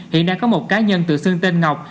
hiện đang có một cá nhân tự xưng tên ngọc